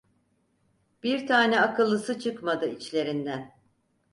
Bir tane akıllısı çıkmadı içlerinden.